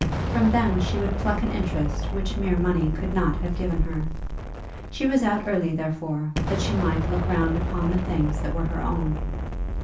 From them she would pluck an interest which mere money could not have given her. She was out early, therefore, that she might look round upon the things that were her own.